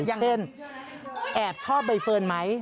เช่นแอบชอบใบเฟิร์นไหม